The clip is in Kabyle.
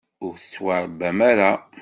Ur tettwaṛebbam ara.